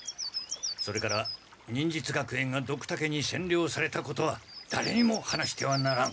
それから忍術学園がドクタケにせんりょうされたことはだれにも話してはならん。